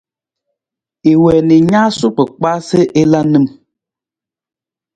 I wii na i naasuu kpakpaa sa i la nim.